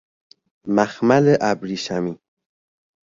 مخمل ابریشمی